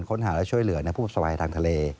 ค้นหาและช่วยเหลือในพวกผู้ประสบายทางทะเล